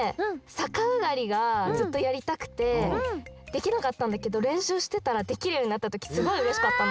さかあがりがずっとやりたくてできなかったんだけどれんしゅうしてたらできるようになったときすごいうれしかったの。